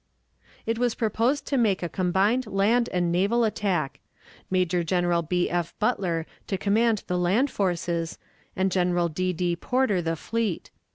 It was proposed to make a combined land and naval attack Major General B. F, Butler to command the land forces, and Admiral D. D. Porter the fleet.